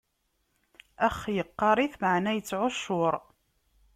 Ax, iqqaṛ-it, meɛna ittɛuccuṛ.